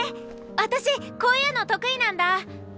私こういうの得意なんだ。